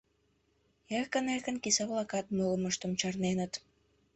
Эркын-эркын киса-влакат мурымыштым чарненыт.